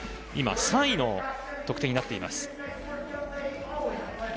今、３位の得点になっています。